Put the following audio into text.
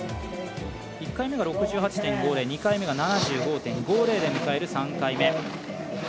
１回目が６８．５０２回目が７５．５０で迎える３回目。